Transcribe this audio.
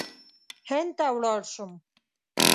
هند ته ولاړ شم.